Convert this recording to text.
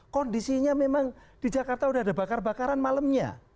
kondisinya memang di jakarta udah ada bakar bakaran malamnya